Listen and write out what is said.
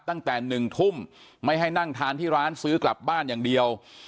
ตั้งแต่๑ทุ่มไม่ให้นั่งทานที่ร้านซื้อกลับบ้านอย่างเดียว